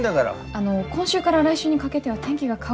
あの今週から来週にかけては天気が変わりやすくて。